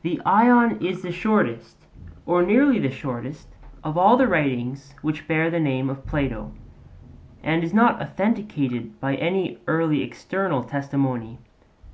The Ion is the shortest, or nearly the shortest, of all the writings which bear the name of Plato, and is not authenticated by any early external testimony.